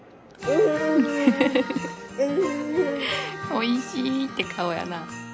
おいしいって顔やな。